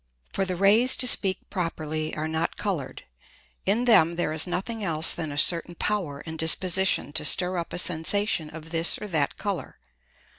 For the Rays to speak properly are not coloured. In them there is nothing else than a certain Power and Disposition to stir up a Sensation of this or that Colour.